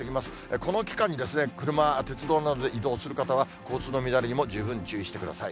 この期間に車、鉄道などで移動する方は、交通の乱れにも十分注意してください。